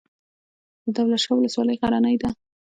د دولت شاه ولسوالۍ غرنۍ ده